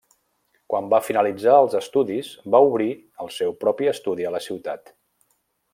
Quan va finalitzar els estudis va obrir el seu propi estudi a la ciutat.